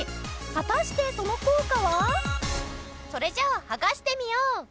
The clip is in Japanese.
果たしてその効果は？それじゃあ剥がしてみよう。